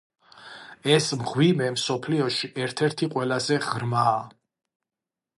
ეს მღვიმე მსოფლიოში ერთ-ერთი ყველაზე ღრმაა.